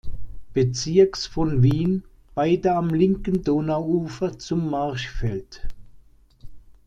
Bezirks von Wien, beide am linken Donauufer, zum Marchfeld.